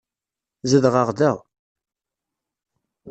Zedɣeɣ da.